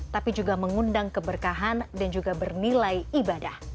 tapi juga mengundang keberkahan dan juga bernilai ibadah